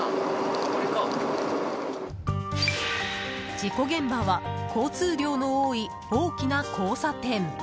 事故現場は交通量の多い大きな交差点。